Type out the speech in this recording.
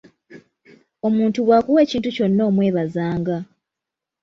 Omuntu bw'akuwa ekintu kyonna omwebazanga.